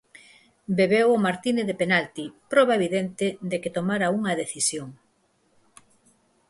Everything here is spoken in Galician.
Bebeu o martini de penalti, proba evidente de que tomara unha decisión.